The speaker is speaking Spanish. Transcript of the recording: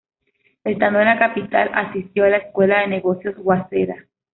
Estando en la capital, asistió a la Escuela de negocios Waseda.